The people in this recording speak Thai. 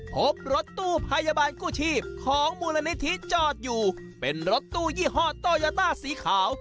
พบรถตู้พยาบาลกู้ชีพของมูลนิธิจอดอยู่เป็นรถตู้ยี่ห้อโตยาต้าสีขาว